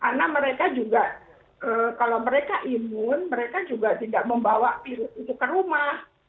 karena mereka juga kalau mereka imun mereka juga tidak membawa virus itu ke rumah